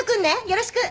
よろしく。